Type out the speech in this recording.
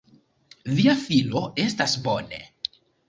Via filo estas bone.